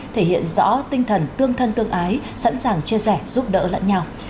thể hiện rõ tinh thần tương thân tương ái sẵn sàng chia sẻ giúp đỡ lẫn nhau